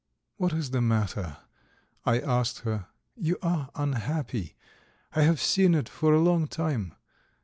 "What is the matter?" I asked her. "You are unhappy; I have seen it for a long time.